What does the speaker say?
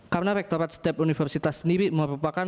karena rektorat setiap universitas sendiri merupakan